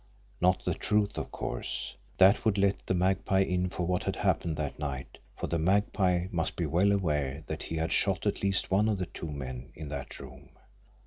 Not the truth, of course that would let the Magpie in for what had happened that night, for the Magpie must be well aware that he had shot at least one of the two men in that room.